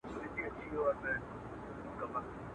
په یو ترڅ کي یې ترې وکړله پوښتنه.